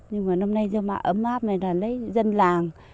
nhưng mà năm nay do mạ ấm áp này là lấy dân làng